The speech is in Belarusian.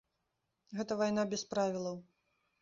Гэта вайна без правілаў.